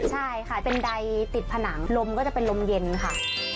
ใช่ค่ะเป็นใดติดผนังลมก็จะเป็นลมเย็นค่ะ